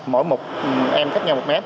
mỗi một em cách nhau một mét